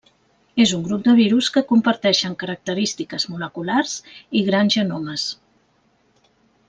És un grup de virus que comparteixen característiques moleculars i grans genomes.